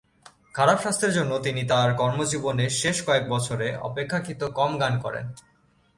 খারাপ স্বাস্থ্যের জন্য তিনি তাঁর কর্মজীবনের শেষ কয়েক বছরে অপেক্ষাকৃত কম গান করেন।